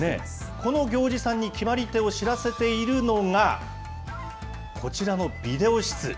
この行司さんに決まり手を知らせているのが、こちらのビデオ室。